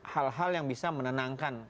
hal hal yang bisa menenangkan